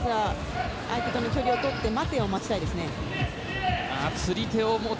相手と距離をとって待てを待ちたいですね。